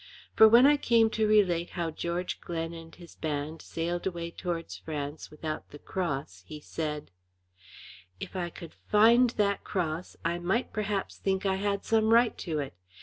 For when I came to relate how George Glen and his band sailed away towards France without the cross, he said: "If I could find that cross, I might perhaps think I had some right to it.